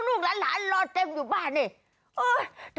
เดี๋ยวเวลาประจายตลาดเพื่อเปลี่ยนข้ามโปรด